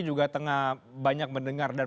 juga tengah banyak mendengar dan